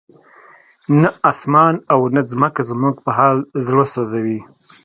نه اسمان او نه ځمکه زموږ په حال زړه سوځوي.